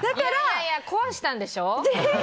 いやいやいや、壊したんでしょ。